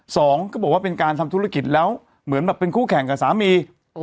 สองก็บอกว่าเป็นการทำธุรกิจแล้วเหมือนแบบเป็นคู่แข่งกับสามี